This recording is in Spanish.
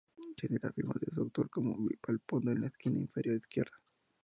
Tiene la firma de su autor como "Villalpando" en la esquina inferior izquierda.